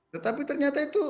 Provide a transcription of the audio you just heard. tetapi ternyata itu